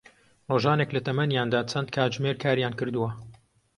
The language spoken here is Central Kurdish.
ڕۆژانێک لە تەمەنیاندا چەند کاتژمێر کاریان کردووە